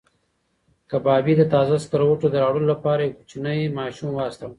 کبابي د تازه سکروټو د راوړلو لپاره یو کوچنی ماشوم واستاوه.